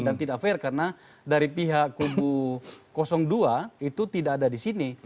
dan tidak fair karena dari pihak kubu dua itu tidak ada di sini